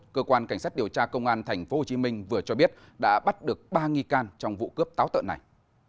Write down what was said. cơ quan cảnh sát điều tra công an tp hcm vừa cho biết đã bắt được ba nghi can trong vụ cướp táo tợn này